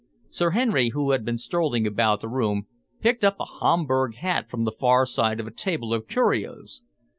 Sir Henry, who had been strolling about the room, picked up a Homburg hat from the far side of a table of curios.